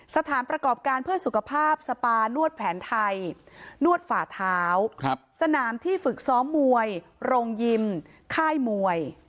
สถานประกอบการเพื่อสุขภาพสปานวดแผนไทยนวดฝ่าเท้าสนามที่ฝึกซ้อมมวยโรงยิมค่ายมวย